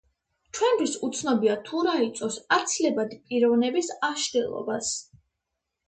ჩვენთვის უცნობია თუ რა იწვევს აცილებადი პიროვნების აშლილობას.